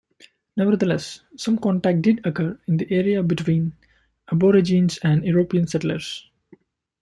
Nevertheless, some contact did occur in the area between Aborigines and European settlers.